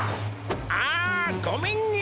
ああごめんね